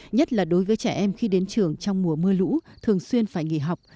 nhất là đối với trẻ em khi đến trường trong mùa mưa lũ thường xuyên phải nghỉ học